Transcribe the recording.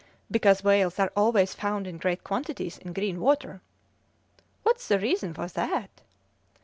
"Because whales are always found in great quantities in green water." "What's the reason of that?"